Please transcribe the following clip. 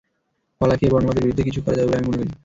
কলা খেয়ে বর্ণবাদের বিরুদ্ধে কিছু করা যাবে বলে আমি মনে করি না।